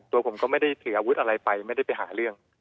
ตัวผมก็ไม่ได้ถืออาวุธอะไรไปไม่ได้ไปหาเรื่อง